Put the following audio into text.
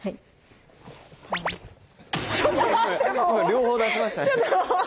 両方出しましたね。